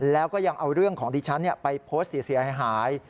แล้วก็ยังเอาเรื่องของดิฉันไปโพสต์เสียหาย